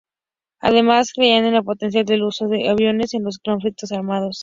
Además, creía en el potencial del uso de aviones en los conflictos armados.